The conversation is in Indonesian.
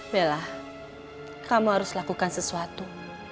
bella kamu harus lakukan sesuatu